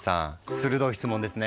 鋭い質問ですね。